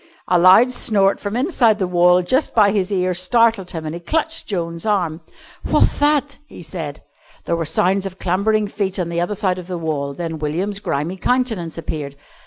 A loud snort from inside the wall just by his ear startled him, and he clutched Joan's arm. "What'th that?" he said. There were sounds of clambering feet on the other side of the wall, then William's grimy countenance appeared.